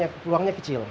ya peluangnya kecil